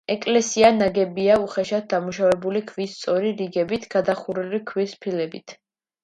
ეკლესია ნაგებია უხეშად დამუშავებული ქვის სწორი რიგებით, გადახურულია ქვის ფილებით.